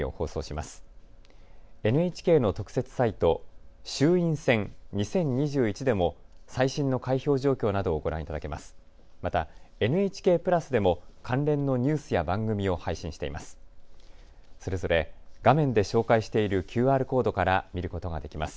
また、ＮＨＫプラスでも関連のニュースや番組を配信しています。